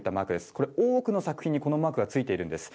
これ、多くの作品にこのマークがついているんです。